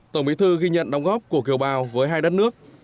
tổng bí thư ghi nhận đóng góp của kiều bào với hai đất nước